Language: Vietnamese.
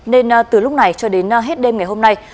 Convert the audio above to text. nên từ lúc này cho đến hết đêm ngày hôm nay